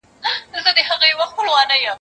له ژرندي زه راځم، غوږونه ستا سپېره دي.